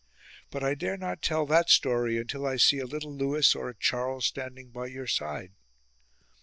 But I dare not tell that story until I see a little Lewis or a Charles standing by your side.